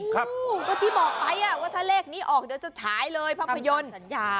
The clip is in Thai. ก็ที่บอกไปว่าถ้าเลขนี้ออกเดี๋ยวจะฉายเลยภาพยนตร์สัญญา